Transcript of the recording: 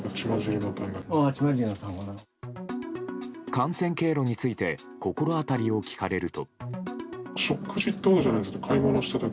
感染経路について心当たりを聞かれると。